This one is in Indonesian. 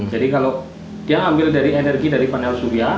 jadi kalau dia ambil dari energi dari panel surya